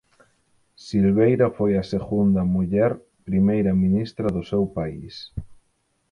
Silveira foi a segunda muller Primeira ministra do seu país.